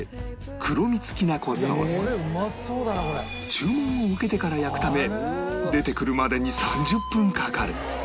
注文を受けてから焼くため出てくるまでに３０分かかる